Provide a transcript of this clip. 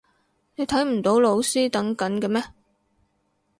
你睇唔到老師等緊嘅咩？